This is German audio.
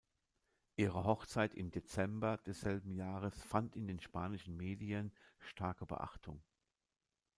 Ihre Hochzeit im Dezember desselben Jahres fand in den spanischen Medien starke Beachtung.